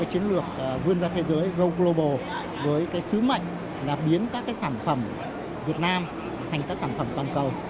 chiến lược vươn ra thế giới grobo với sứ mệnh là biến các sản phẩm việt nam thành các sản phẩm toàn cầu